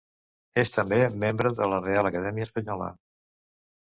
És també membre de la Reial Acadèmia Espanyola.